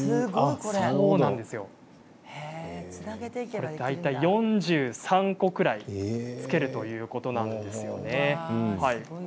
すごい。大体４３個ぐらいつけるということなんです。